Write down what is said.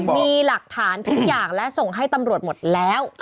มีหลักฐานทุกอย่างและส่งให้ตำรวจหมดแล้ว